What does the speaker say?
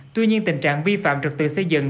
tuy nhiên tình trạng vi phạm trực tự xây dựng